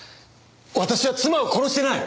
私は妻を殺してない！